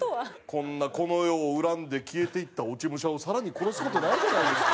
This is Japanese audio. こんなこの世を恨んで消えていった落ち武者を更に殺す事ないじゃないですか。